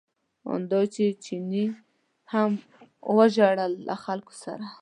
ان دا چې چیني هم وژړل له خلکو سره.